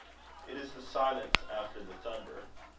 It is the silence after the thunder.